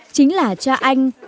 chính là cha anh